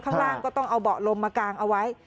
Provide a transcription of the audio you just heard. ข้างล่างก็ต้องเอาเบาะลมมากางเอาไว้